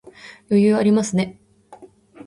余裕ありますね